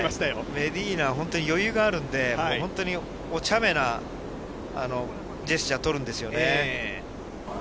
メディーナは本当に余裕があるんで、もう本当に、おちゃめなジェスチャー取るんですよね。